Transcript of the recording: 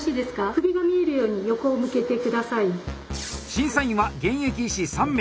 審査員は現役医師３名。